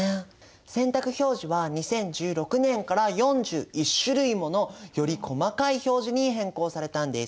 洗濯表示は２０１６年から４１種類ものより細かい表示に変更されたんです。